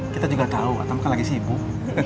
kita juga tahu kan lagi sibuk